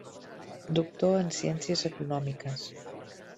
Doctor en ciències econòmiques.